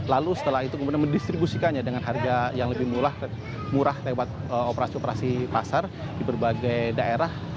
lalu setelah itu kemudian mendistribusikannya dengan harga yang lebih murah murah lewat operasi operasi pasar di berbagai daerah